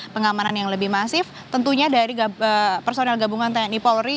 pengamanan yang lebih masif tentunya dari personel gabungan tni polri